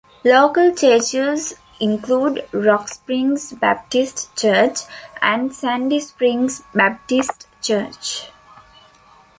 Local churches include Rock Springs Baptist Church and Sandy Springs Baptist Church.